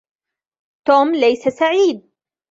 توم ليس سعيدا.